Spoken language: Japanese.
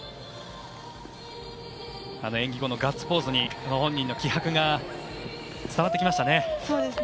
演技後のガッツポーズに本人の気迫が伝わってきましたね。